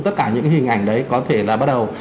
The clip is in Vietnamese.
tất cả những cái hình ảnh đấy có thể là bắt đầu